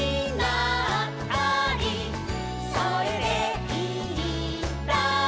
「それでいいんだ」